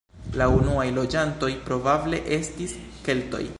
La unuaj loĝantoj probable estis keltoj.